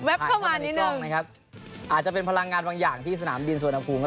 แวบเข้ามาในกล้องนะครับอาจจะเป็นพลังงานบางอย่างที่สนามบินสวนภูมิก็ต้องได้